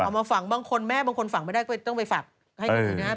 เอามาฝังบางคนแม่บางคนฝังไม่ได้ก็ต้องไปฝังให้อยู่นะ